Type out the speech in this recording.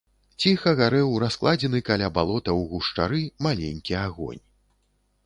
Ціха гарэў раскладзены каля балота ў гушчары маленькі агонь.